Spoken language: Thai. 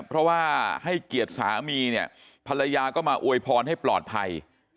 เพราะว่าให้เกียรติสามีเนี่ยภรรยาก็มาอวยพรให้ปลอดภัย